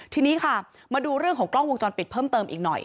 ทีนี้ค่ะมาดูเรื่องของกล้องวงจรปิดเพิ่มเติมอีกหน่อย